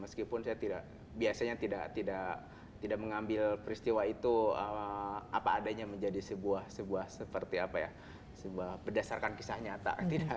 meskipun saya tidak mengambil peristiwa itu apa adanya menjadi sebuah berdasarkan kisah nyata